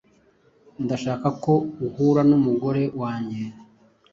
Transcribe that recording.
Ndashaka ko uhura numugore wanjye.